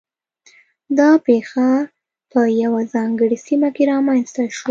دا پېښه په یوه ځانګړې سیمه کې رامنځته شوه